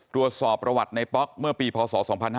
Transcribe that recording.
ตรวจสอบประวัติในป๊อกเมื่อปีพศ๒๕๕๙